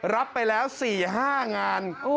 รับไปแล้ว๔๕งาน